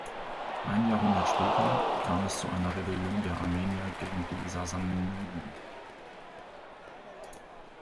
Ein Jahrhundert später kam es zu einer Rebellion der Armenier gegen die Sasaniden.